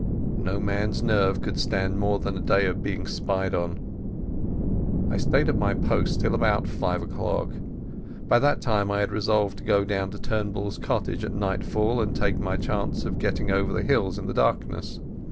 No man's nerve could stand more than a day of being spied on. I stayed at my post till five o'clock. By that time I had resolved to go down to Turnbull's cottage at nightfall and take my chance of getting over the hills in the darkness.